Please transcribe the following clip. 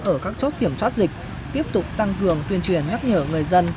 ở các chốt kiểm soát dịch tiếp tục tăng cường tuyên truyền nhắc nhở người dân